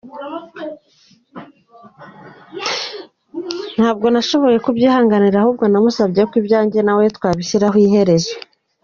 Ntabwo nashoboye kubyihanganira ahubwo nasamubye ko ibyanjye nawe twabishyiraho iherezo.